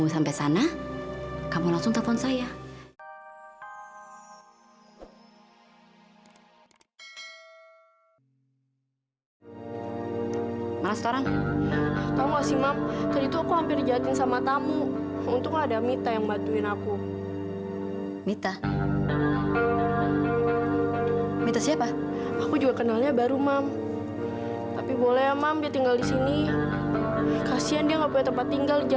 sampai jumpa di video selanjutnya